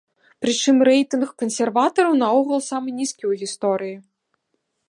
Прычым рэйтынг кансерватараў наогул самы нізкі ў гісторыі.